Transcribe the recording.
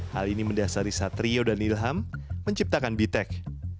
hal ini mendasari satrio dan ilham menciptakan bitek